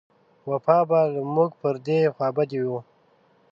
وفا به له موږ پر دې خوابدۍ و.